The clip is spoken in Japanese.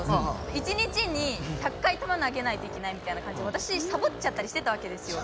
１日に１００回玉なげないといけないみたいな感じでわたしサボっちゃったりしてたわけですよ。